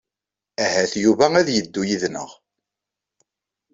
Ahat Yuba ad yeddu yid-neɣ.